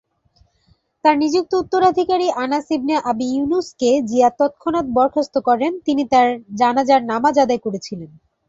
তার নিযুক্ত উত্তরাধিকারী আনাস ইবনে আবি ইউনুস কে জিয়াদ তৎক্ষণাৎ বরখাস্ত করেন, তিনি তার জানাজার নামাজ আদায় করেছিলেন।